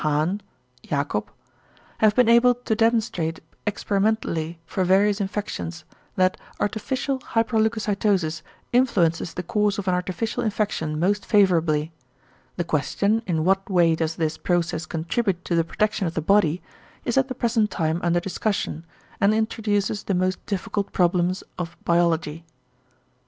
Hahn, Jacob), have been able to demonstrate experimentally for various infections, that artificial hyperleucocytosis influences the course of an artificial infection most favourably. The question, in what way does this process contribute to the protection of the body, is at the present time under discussion, and introduces the most difficult problems of biology.